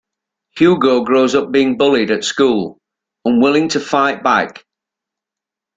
Hugo grows up being bullied at school, unwilling to fight back.